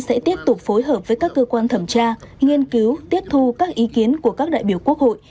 sẽ tiếp tục phối hợp với các cơ quan thẩm tra nghiên cứu tiếp thu các ý kiến của các đại biểu quốc hội